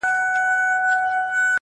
• د ویالو په څېر یې ولیدل سیندونه -